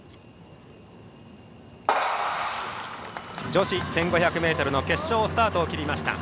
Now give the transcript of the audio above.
女子１５００ｍの決勝スタートを切りました。